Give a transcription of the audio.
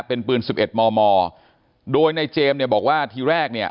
เป็นปืนสิบเอ็ดมอโดยในเจมส์เนี่ยบอกว่าทีแรกเนี่ย